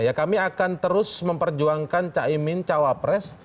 ya kami akan terus memperjuangkan caimin cawapres